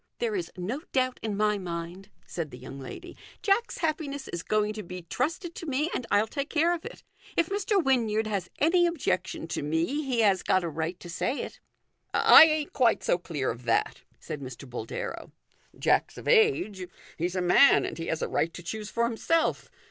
" There is no doubt in my mind/' said the young lady. " Jack's happiness is going to be trusted to me, and I'll take care of it. If Mr. Wynyard has any objection to me he has got a right to say it." " I ain't quite so clear of that," said Mr. Boldero. "Jack's of age; he's a man, and he has a right to choose for himself.